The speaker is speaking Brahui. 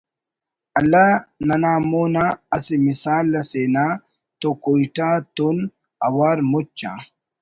اللہ ننا مو ن آ اسہ مثال اسے نہ تو کوئٹہ تون اوار مچ آ